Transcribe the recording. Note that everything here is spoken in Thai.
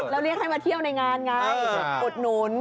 แล้วเรียกให้มาเที่ยวในงานไงอุดหนุน